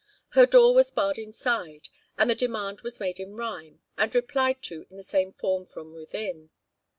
Her door was barred inside, and the demand was made in rhyme, and replied to in the same form from within.